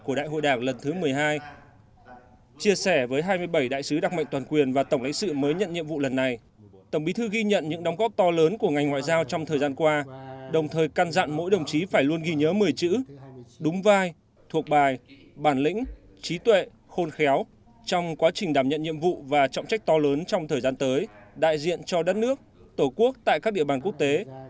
chia sẻ với hai mươi bảy đại sứ đặc mệnh toàn quyền và tổng lãnh sự mới nhận nhiệm vụ lần này tổng bí thư ghi nhận những đóng góp to lớn của ngành ngoại giao trong thời gian qua đồng thời căn dặn mỗi đồng chí phải luôn ghi nhớ một mươi chữ đúng vai thuộc bài bản lĩnh trí tuệ khôn khéo trong quá trình đảm nhận nhiệm vụ và trọng trách to lớn trong thời gian tới đại diện cho đất nước tổ quốc tại các địa bàn quốc tế